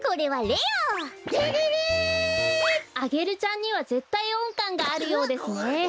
レレレ！？アゲルちゃんにはぜったいおんかんがあるようですね。